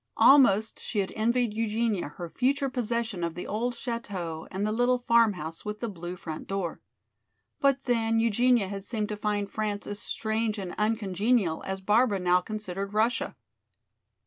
Almost she had envied Eugenia her future possession of the old chateau and the little "Farmhouse with the Blue Front Door." But then Eugenia had seemed to find France as strange and uncongenial as Barbara now considered Russia.